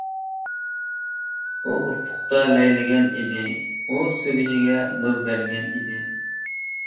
ئۇ ئۇپۇقتا لەيلىگەن ئىدى، ئۇ سۈبھىگە نۇر بەرگەن ئىدى.